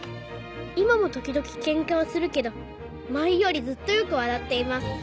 「今も時々ケンカをするけど前よりずっとよく笑っています」